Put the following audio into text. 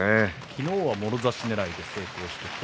昨日はもろ差しねらいで成功して。